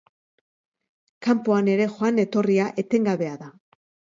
Kanpoan ere joan etorria etengabea da.